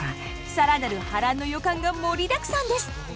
更なる波乱の予感が盛りだくさんです。